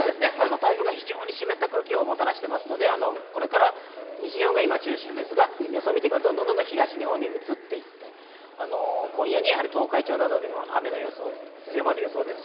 台風が湿った空気をもたらしていますので、これから西日本が中心ですが予想を見ると東日本に移っていって、今夜には東海地方などにも雨の予想、強まる予想です。